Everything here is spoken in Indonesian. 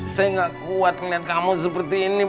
saya gak kuat liat kamu seperti ini prince